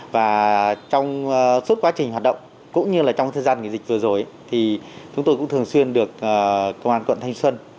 và trong suốt quá trình hoạt động cũng như trong thời gian dịch vừa rồi chúng tôi cũng thường xuyên được công an quận thanh xuân